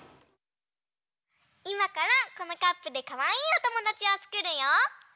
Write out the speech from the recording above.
いまからこのカップでかわいいおともだちをつくるよ。